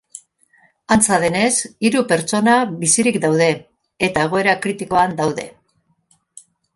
Antza denez, hiru pertsona bizirik daude eta egoera kritikoan daude.